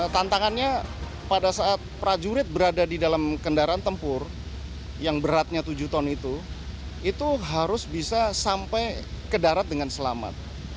tantangannya pada saat prajurit berada di dalam kendaraan tempur yang beratnya tujuh ton itu itu harus bisa sampai ke darat dengan selamat